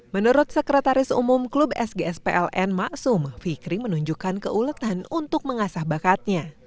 menurut sekretaris umum klub sgspln maksum fikri menunjukkan keuletan untuk mengasah bakatnya